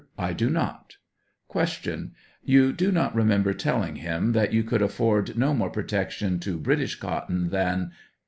I do not. Q. Tou do not remember telling him that you could afford no more protection to British cotton than A.